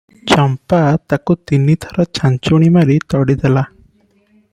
ଚମ୍ପା ତାକୁ ତିନିଥର ଛାଞ୍ଚୁଣୀ ମାରି ତଡ଼ିଦେଲା ।